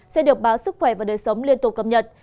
sẽ được báo sức khỏe và đời sống liên tục cập nhật